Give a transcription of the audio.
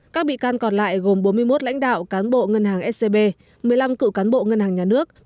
các bị can còn lại gồm bốn mươi một lãnh đạo cán bộ ngân hàng scb một mươi năm cựu cán bộ ngân hàng nhà nước